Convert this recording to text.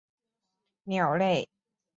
欧鸽为鸠鸽科鸽属的鸟类。